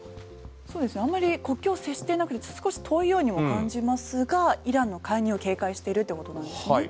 あんまり国境接してなくて少し遠いようにも感じますがイランの介入を警戒してるってことなんですね。